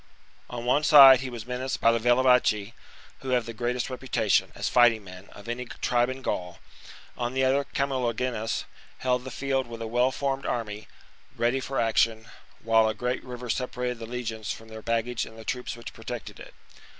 On one side he was menaced by the Bellovaci, who have the greatest reputation, as fighting fnen, of any tribe in Gaul ; on the other Camulogenus held the field with a well found army, ready for action ; while a great river separated the legions from their baggage and the troops which protected it.